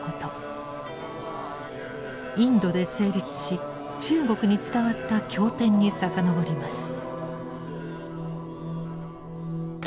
インドで成立し中国に伝わった経典に遡ります。